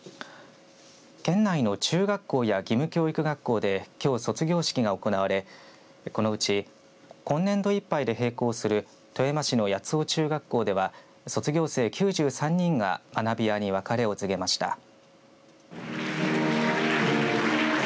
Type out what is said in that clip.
県内の中学校や義務教育学校できょう卒業式が行われこのうち今年度いっぱいで閉校する富山市の八尾中学校では卒業生９３人が学びやに別れを告げました。